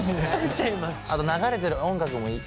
あと流れてる音楽もいい。